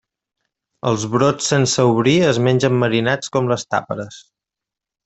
Els brots sense obrir es mengen marinats com les tàperes.